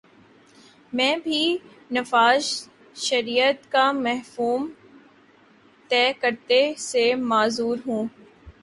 میں بھی نفاذ شریعت کا مفہوم طے کرنے سے معذور ہوں۔